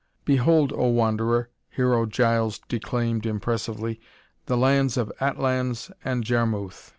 "Behold, oh Wanderer," Hero Giles declaimed impressively, "the lands of Atlans and Jarmuth!"